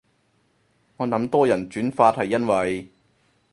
我諗多人轉發係因為